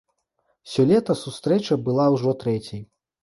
Сёлета сустрэча была ўжо трэцяй.